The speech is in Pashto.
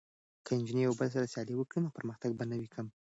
که نجونې یو بل سره سیالي وکړي نو پرمختګ به نه وي کم.